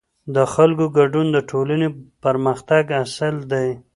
د خلکو ګډون د ټولنې پرمختګ اصل دی